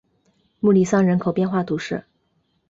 穆利桑人口变化图示